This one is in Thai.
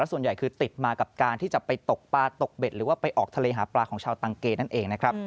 ส่วนใหญ่คือติดมากับการที่จะไปตกปลาตกเบ็ดหรือว่าไปออกทะเลหาปลาของชาวตังเกนั่นเองนะครับ